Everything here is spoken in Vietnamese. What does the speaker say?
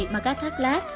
mà cá thác lát